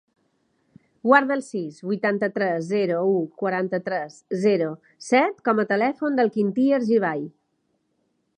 Guarda el sis, vuitanta-tres, zero, u, quaranta-tres, zero, set com a telèfon del Quintí Argibay.